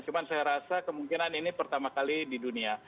cuma saya rasa kemungkinan ini pertama kali di dunia